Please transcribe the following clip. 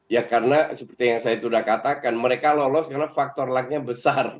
ya karena seperti yang saya sudah katakan mereka lolos karena faktor lagnya besar